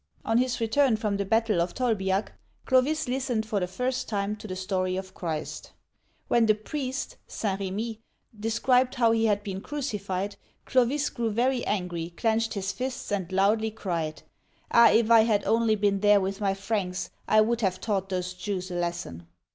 On his return from the battle of Tolbiac, Clovis listened for the first time to the story of Christ. When the priest (St. R^mi) described how He had been crucified, Clovis grew very angry, clenched his fists, and loudly cried, "Ah, if I had only been there with my Franks, I would have taught those Jews a lesson